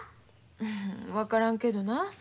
うん分からんけどな。